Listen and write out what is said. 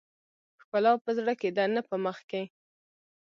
ښکلا په زړه کې ده نه په مخ کې .